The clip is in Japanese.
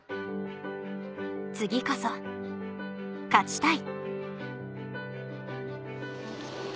次こそ勝ちたい